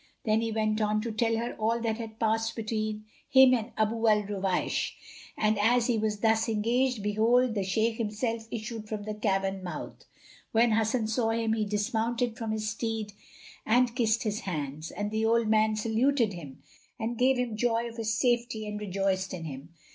Then he went on to tell her all that had passed between him and Abu al Ruwaysh, and as he was thus engaged, behold, the Shaykh himself issued from the cavern mouth. When Hasan saw him, he dismounted from his steed and kissed his hands, and the old man saluted him and gave him joy of his safety and rejoiced in him.